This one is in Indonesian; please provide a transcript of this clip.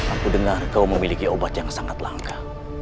aku dengar kau memiliki obat yang sangat langka